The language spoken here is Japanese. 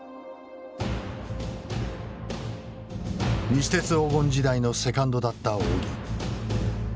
西鉄黄金時代のセカンドだった仰木。